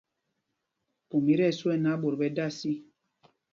Pum i tí ɛsu ɛ náǎ, ɓot ɓɛ da sí.